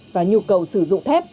và nhu cầu sử dụng thép